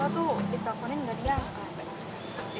lo tuh diteleponin nggak diangkat